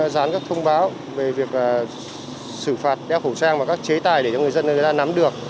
gián các thông báo về việc xử phạt đeo khẩu trang và các chế tài để cho người dân người ta nắm được